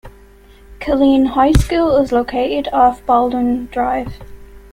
Kaleen High School is located off Baldwin drive.